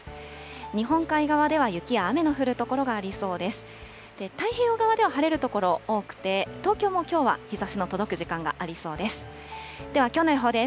日本海側では雪や雨の降る所がありそうです。